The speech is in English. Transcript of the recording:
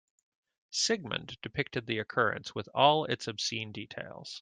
Sigmund depicted the occurrence with all its obscene details.